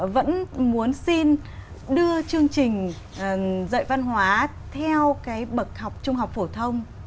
vẫn muốn xin đưa chương trình dạy văn hóa theo cái bậc học trung học phổ thông